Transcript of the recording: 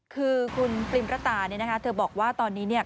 คือคุณปริมตาเธอบอกว่าตอนนี้